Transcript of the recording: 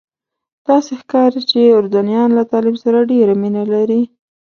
داسې ښکاري چې اردنیان له تعلیم سره ډېره مینه لري.